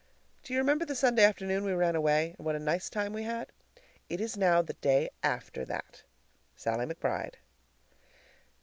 Do you remember the Sunday afternoon we ran away, and what a nice time we had? It is now the day after that. SALLIE McBRIDE.